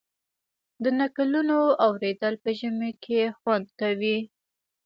د نکلونو اوریدل په ژمي کې خوند کوي.